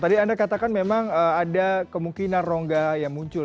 tadi anda katakan memang ada kemungkinan rongga yang muncul